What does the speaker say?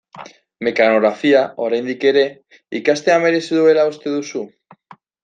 Mekanografia, oraindik ere, ikastea merezi duela uste duzu?